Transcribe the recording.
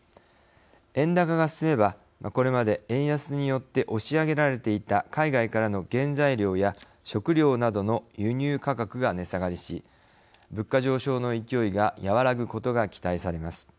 円高が進めばこれまで円安によって押し上げられていた海外からの原材料や食料などの輸入価格が値下がりし物価上昇の勢いがやわらぐことが期待されます。